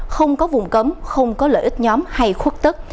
không có vùng cấm không có lợi ích nhóm hay khuất tức